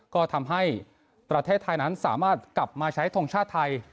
ก็ทำให้ประเทศไทยนั้นสามารถกลับมาใช้ทงชาติไทย